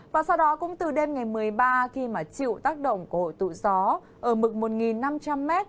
và sau đó cũng từ đêm ngày một mươi ba khi chịu tác động của hội tụ gió ở mực một năm trăm linh m